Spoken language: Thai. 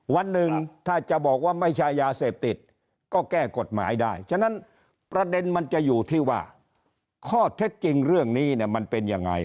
วันหนึ่งถ้าจะบอกว่าไม่ใช่ยาเสพติดก็แก้กฎหมายได้ฉะนั้นประเด็นมันจะอยู่ที่ว่าข้อเท็จจริงเรื่องนี้เนี่ยมันเป็นยังไง